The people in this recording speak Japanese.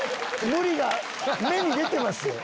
無理が目に出てますよ。